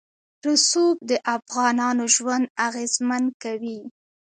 رسوب د افغانانو ژوند اغېزمن کوي.